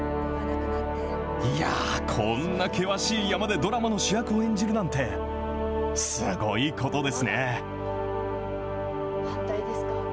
いやー、こんな険しい山でドラマの主役を演じるなんて、すごいことですね。